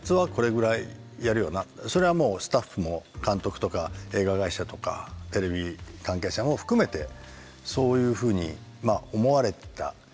それはもうスタッフも監督とか映画会社とかテレビ関係者も含めてそういうふうに思われてた時期なわけですよね。